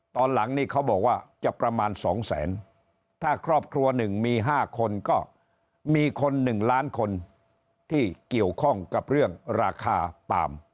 ตอนหลังนี่เขาบอกว่าจะประมาณ๒แสนถ้าครอบครัวหนึ่งมี๕คนก็มีคน๑ล้านคนที่เกี่ยวข้องกับเรื่องราคาปาล์ม